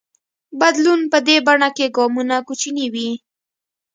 بدلون په دې بڼه کې ګامونه کوچني وي.